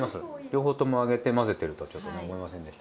両方とも揚げて混ぜてるとはちょっと思いませんでしたけど。